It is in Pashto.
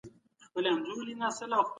هندواڼه په ګرمو ورځو کې خوړل شي.